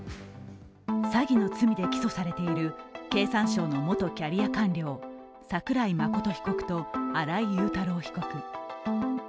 詐欺の罪で起訴されている経産省の元キャリア官僚、桜井真被告と新井雄太郎被告。